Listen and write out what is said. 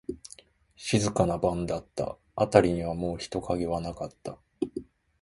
静かな晩だった。あたりにはもう人影はなかった。